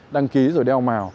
đăng ký rồi đeo màu